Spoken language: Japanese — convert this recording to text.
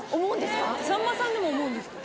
さんまさんでも思うんですか？